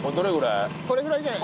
これぐらいじゃない？